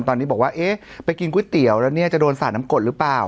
ตอนนี้บอกว่าเอ๊ะไปกินก๋วยเตี๋ยวแล้วเนี่ยจะโดนสาดน้ำกดหรือเปล่า